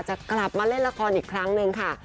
จะกลับมาเล่นละครอีกครั้งหนึ่งค่ะ